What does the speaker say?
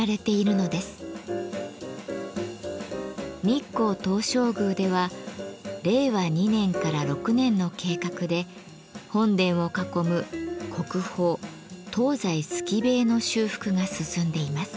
日光東照宮では令和２年から６年の計画で本殿を囲む国宝東西透塀の修復が進んでいます。